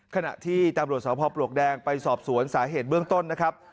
ขณะที่ตำรวจสพปลวกแดงไปสอบสวนสาเหตุเบื้องต้นนะครับ